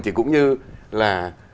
thì cũng như là